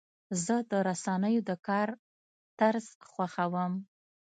زه د رسنیو د کار طرز خوښوم.